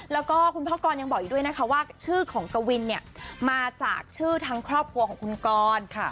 แล้วก็คุณพ่อกรยังบอกอีกด้วยนะคะว่าชื่อของกวินเนี่ยมาจากชื่อทั้งครอบครัวของคุณกร